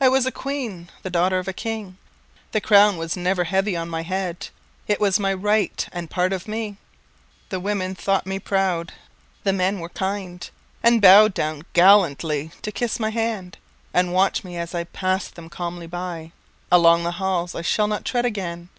I was a queen, the daughter of a king. The crown was never heavy on my head, It was my right, and was a part of me. The women thought me proud, the men were kind, And bowed down gallantly to kiss my hand, And watched me as I passed them calmly by, Along the halls I shall not tread again.